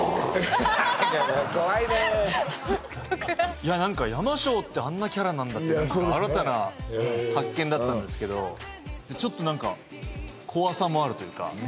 いやなんかＹＡＭＡＳＨＯってあんなキャラなんだって新たな発見だったんですけどちょっとなんか怖さもあるというか。